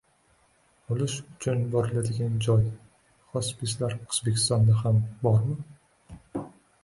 O‘lish uchun boriladigan joy. Hospislar O‘zbekistonda ham bormi?